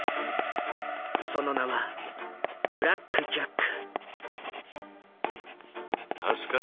その名はブラック・ジャック。